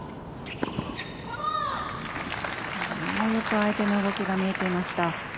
相手の動きが見えていました。